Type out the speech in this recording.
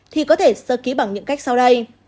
thì có thể sơ ký bằng những cách sau đây